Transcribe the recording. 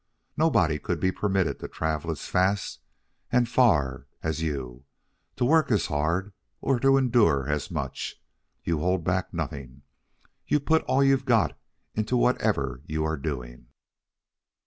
Nobody could be permitted to travel as fast and as far as you, to work as hard or endure as much. You hold back nothing; you put all you've got into whatever you are doing."